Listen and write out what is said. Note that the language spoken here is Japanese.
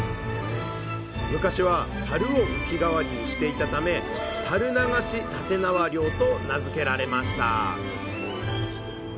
昔は樽を浮き代わりにしていたため「樽流し立縄漁」と名付けられました